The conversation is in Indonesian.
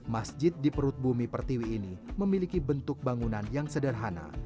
masjid di perut bumi pertiwi ini memiliki bentuk bangunan yang sederhana